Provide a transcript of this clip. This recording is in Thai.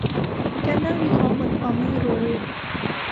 การนั่งวิเคราะห์บนความไม่รู้